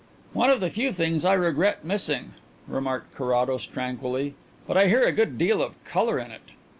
"One of the few things I regret missing," remarked Carrados tranquilly; "but I hear a good deal of colour in it."